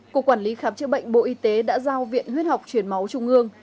cục quản lý khám chữa bệnh bộ y tế đã giao viện huyết học truyền máu trung ương